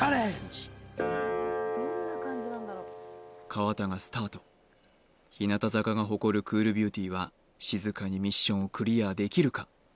河田がスタート日向坂が誇るクールビューティーは静かにミッションをクリアできるか？